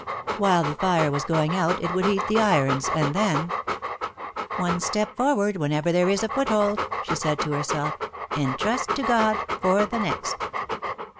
While the fire was going out, it would heat the irons, and then "One step forward whenever there is a foothold," she said to herself, "and trust to God for the next."